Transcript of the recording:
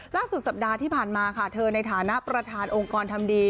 ล่าสุดสัปดาห์ที่ผ่านมาค่ะเธอในฐานะประธานองค์กรทำดี